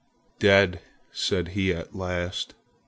"Dead!" said he at last.